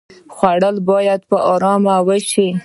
خوړل باید په آرامۍ وشي